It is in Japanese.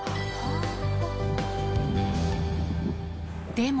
でも。